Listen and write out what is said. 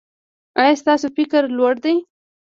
ایا ستاسو فکر لوړ دی؟